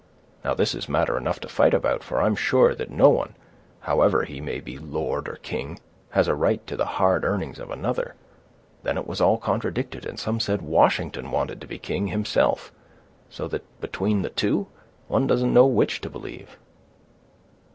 Now this is matter enough to fight about—for I'm sure that no one, however he may be lord or king, has a right to the hard earnings of another. Then it was all contradicted, and some said Washington wanted to be king himself; so that, between the two, one doesn't know which to believe."